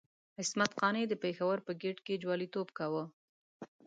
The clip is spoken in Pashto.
عصمت قانع د پېښور په ګېټ کې جواليتوب کاوه.